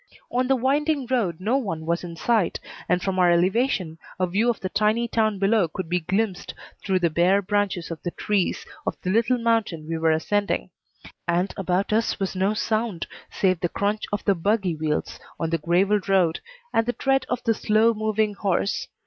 On the winding road no one was in sight, and from our elevation a view of the tiny town below could be glimpsed through the bare branches of the trees of the little mountain we were ascending; and about us was no sound save the crunch of the buggy wheels on the gravel road, and the tread of the slow moving horse.